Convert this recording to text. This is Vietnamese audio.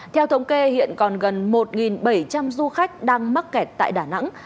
theo thống kê hiện còn gần một bảy trăm linh du khách đang mắc kẹt tại đà nẵng